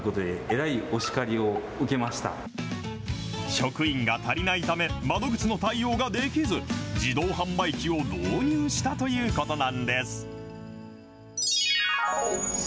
職員が足りないため、窓口の対応ができず、自動販売機を導入したということなんです。